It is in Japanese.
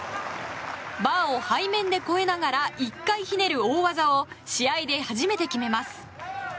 バーを背面で越えながら１回ひねる大技を試合で初めて決めます。